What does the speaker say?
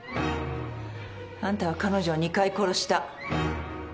あんたは彼女を２回殺した。